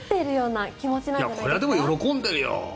でもこれは喜んでるよ。